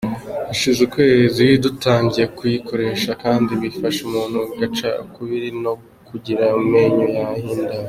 Hashize ukwezi dutangiye kuyikoresha kandi bifasha umuntu agaca ukubiri no kugira amenyo y’ahindanye.